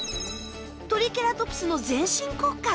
トリケラトプスの全身骨格。